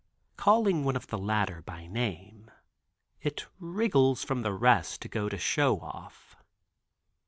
Calling one of the latter by name, it wriggles from the rest to go to Show Off.